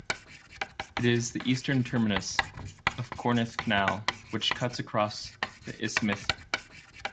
It is the eastern terminus of the Corinth Canal, which cuts across the isthmus.